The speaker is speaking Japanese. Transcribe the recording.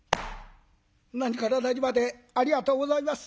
「何から何までありがとうございます。